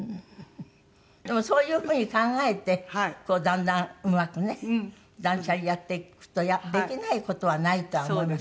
でもそういう風に考えてだんだんうまくね断捨離やっていくとできない事はないとは思いますよね。